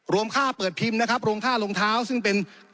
ค่าเปิดพิมพ์นะครับรวมค่ารองเท้าซึ่งเป็น